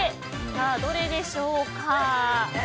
さあ、どれでしょうか。